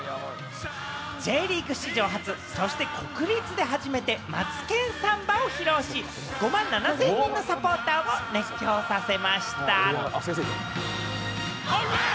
Ｊリーグ史上初、そして国立で初めて『マツケンサンバ』を披露し、５万７０００人のサポーターを熱狂させました。